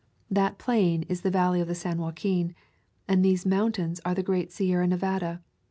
That plain is the valley of the San Joaquin, and those mountains are the great Sierra Nevada.